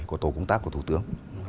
của tổ công tác của thủ tướng